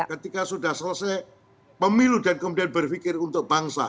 ketika sudah selesai pemilu dan kemudian berpikir untuk bangsa